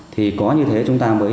thì có như thế chúng ta mới